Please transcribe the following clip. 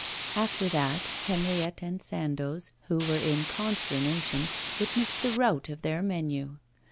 After that Henriette and Sandoz, who were in consternation, witnessed the rout of their menu.